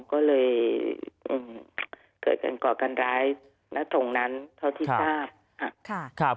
ก็เลยเกิดกันก่อกันร้ายทั้งนั้นเพราะที่ทราบ